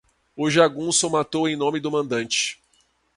O jagunço matou em nome do mandante